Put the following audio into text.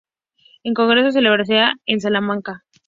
El congreso se celebraría en Salamanca.